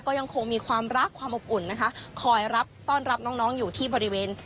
ก็ยังคงมีความรักความอบอุ่นนะคะคอยรับต้อนรับน้องน้องอยู่ที่บริเวณ